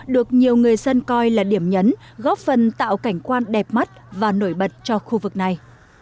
được nhiều người dân coi là điểm nhấn góp phần tạo cảnh quan đẹp mắt và nổi bật cho khu vực này